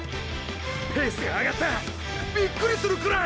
ペースが上がった！！びっくりするくらい！！